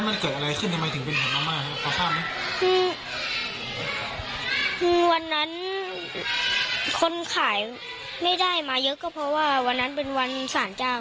แล้วก็กินดีทุกวันใช่ไหมยืนยันไหม